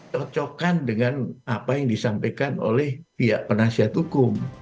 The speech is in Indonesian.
cocokkan dengan apa yang disampaikan oleh pihak penasihat hukum